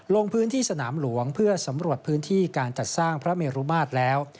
ลงพื้นที่สนามหลวงเพื่อสำรวจพื้นที่การจัดสร้างพระเมรุมาตรแล้ว